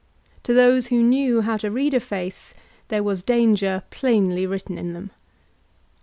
To those who knew how to read a face, there was danger plainly written in them.